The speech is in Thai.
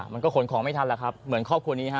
มันก็ขนของไม่ทันแหละครับเหมือนครอบครัวนี้ฮะ